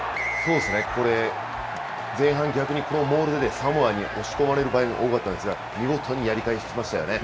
これ、前半、逆にこのモールでサモアに押し込まれる場面も多かったんですが、見事にやり返しましたよね。